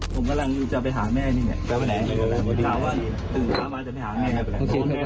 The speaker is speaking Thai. ผมกำลังอยู่จะไปหาแม่นี่ไงจะไปไหนถามว่าถึงเมื่อไหร่จะไปหาแม่